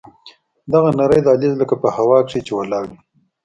دغه نرى دهلېز لکه په هوا کښې چې ولاړ وي.